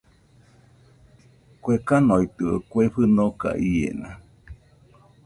¿Kue kanoitɨo, kue fɨnoka iena?